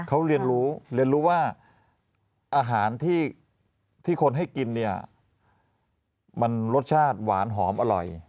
เขาเรียนรู้เรียนรู้ว่าอาหารที่คนให้กินเนี่ยมันรสชาติหวานหอมอร่อย